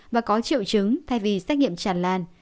và có triệu chứng thay vì xét nghiệm tràn lan